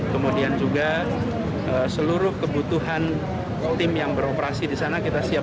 kemudian juga seluruh kebutuhan tim yang beroperasi di sana kita siapkan